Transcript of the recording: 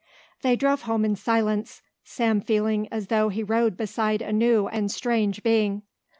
They drove home in silence, Sam feeling as though he rode beside a new and strange being.